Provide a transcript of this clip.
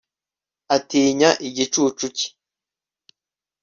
atinya igicucu cye